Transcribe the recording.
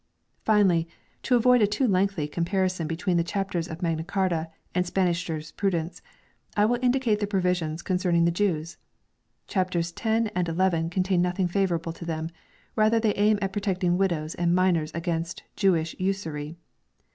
Finally to avoid a too lengthy comparison between the chapters of Magna Carta and Spanish jurisprud ence I will indicate the provisions concerning the Jews. Chapters 10 and n contain nothing favourable to them ; rather, they aim at protecting widows and minors against Jewish usury.